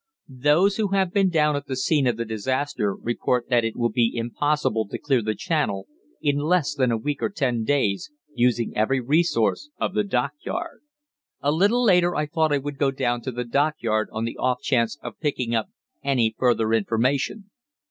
Those who have been down at the scene of the disaster report that it will be impossible to clear the channel in less than a week or ten days, using every resource of the dockyard. "A little later I thought I would go down to the dockyard on the off chance of picking up any further information.